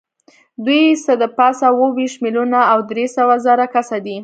دوی څه د پاسه اووه ویشت میلیونه او درې سوه زره کسه دي.